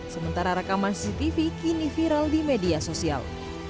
sementara rekaman cctv kini viral di media sosial